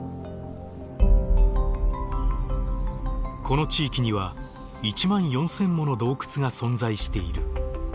この地域には１万４，０００もの洞窟が存在している。